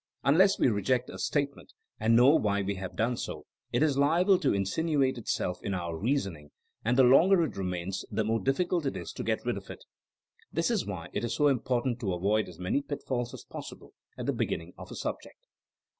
Unless we reject a statement and know why we have done so, it is liable to insinuate itself in our rea soning, and the longer it remains the more diffi cult it is to get rid of it. This is why it is so important to avoid as many pitfalls as possible at the beginning of a subject.